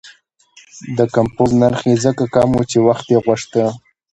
د کمپوز نرخ یې ځکه کم و چې وخت یې غوښته.